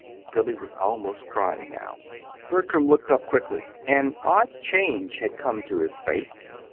Billy was almost crying now. Bertram looked up quickly. An odd change had come to his face.